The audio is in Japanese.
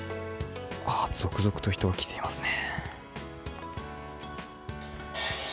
続々と人が来ていますね。